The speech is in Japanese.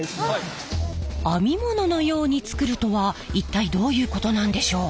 編み物のように作るとは一体どういうことなんでしょう？